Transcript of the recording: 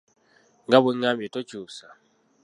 Nga bwe ngambye tokyusa!